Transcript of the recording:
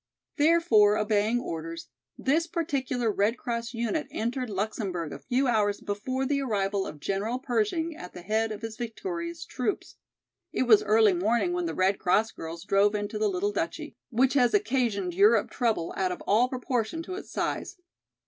Therefore, obeying orders, this particular Red Cross unit entered Luxemburg a few hours before the arrival of General Pershing at the head of his victorious troops. It was early morning when the Red Cross girls drove into the little duchy, which has occasioned Europe trouble out of all proportion to its size.